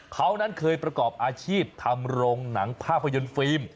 เขานั้นเคยประกอบอาชีพทำโรงหนังภาพยนตร์ฟิล์ม